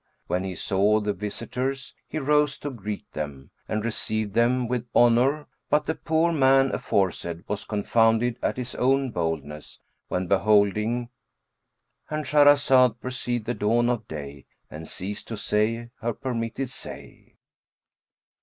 When he saw the visitors, he rose to greet them and received them with honour; but the poor man aforesaid was confounded at his own boldness, when beholding——And Shahrazad perceived the dawn of day and ceased to say her permitted say.